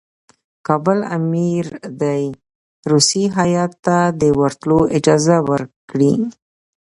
کابل امیر دي روسي هیات ته د ورتلو اجازه ورکړي.